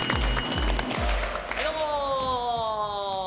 どうも。